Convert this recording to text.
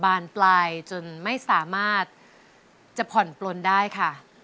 บานปลายจนไม่สามารถจะผ่อนปลนได้ค่ะ